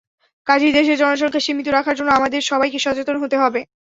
কাজেই দেশের জনসংখ্যা সীমিত রাখার জন্য আমাদের সবাইকে সচেতন হতে হবে।